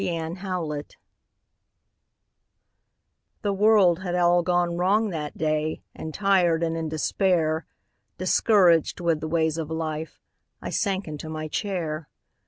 MY COMFORTER The world had all gone wrong that day And tired and in despair, Discouraged with the ways of life, I sank into my chair.